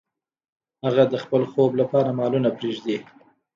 هغه د خپل خوب لپاره مالونه پریږدي.